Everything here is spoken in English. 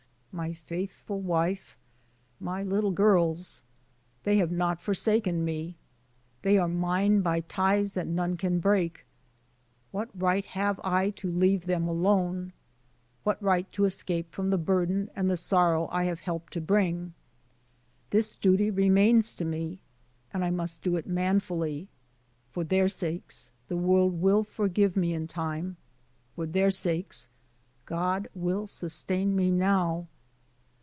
My faithful wife, my little girls, — they have not forsaken me, they are mine by ties that none can break. What right have I to leave them alone? What right to escape from the burden and the sorrow I have helped to bring? This duty remains to me, and I must do it manfully. For their sakes, the world will forgive me in time; for their sakes, God will sustain me now."